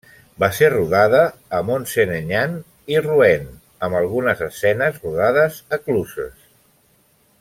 Va ser rodada a Mont-Saint-Aignan i Rouen, amb algunes escenes rodades a Cluses.